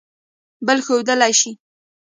بل ښودلئ شی